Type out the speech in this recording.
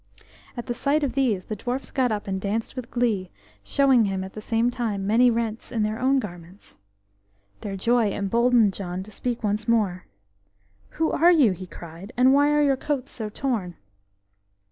At the sight of these the dwarfs got up and danced with glee, showing him at the same time many rents in their own garments. Their joy emboldened John to speak once more. THE TAILOR AND THE DWARFS "Who are you," he cried, "and why are your coats so torn?"